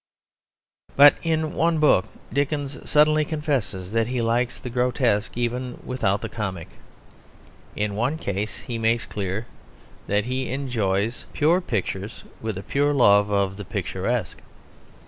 But in one book Dickens suddenly confesses that he likes the grotesque even without the comic. In one case he makes clear that he enjoys pure pictures with a pure love of the picturesque.